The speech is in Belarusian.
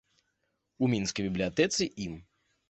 У мінскай бібліятэцы ім.